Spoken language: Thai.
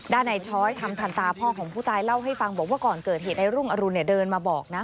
ด้านในช้อยทำทันตาพ่อของผู้ตายเล่าให้ฟังบอกว่าก่อนเกิดเหตุในรุ่งอรุณเดินมาบอกนะ